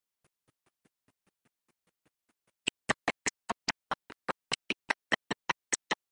He died in his home town, Karachi, by then in Pakistan.